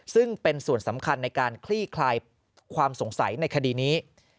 ซึ่งเป็นส่วนสำคัญในการคลี่คลายความสงสัยในคดีนี้